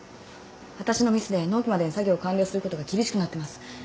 わたしのミスで納期までに作業完了することが厳しくなってます。